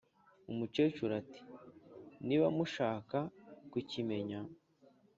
umukecuru ati"niba mushaka kukimenya